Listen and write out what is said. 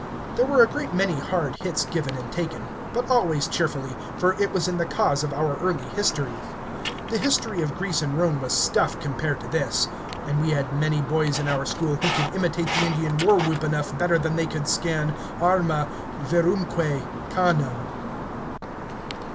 There were a great many hard hits given and taken, but always cheerfully, for it was in the cause of our early history. The history of Greece and Rome was stuff compared to this. And we had many boys in our school who could imitate the Indian war whoop enough better than they could scan arma, virumque cano.